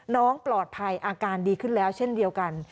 น้องปลอดภัยอาการดีขึ้นแล้วเช่นเดียวกัน